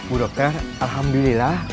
bu dokter alhamdulillah